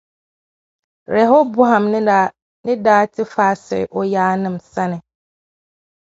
Rɛhɔbɔam ni daa ti faai siɣ’ o yaannim’ sani.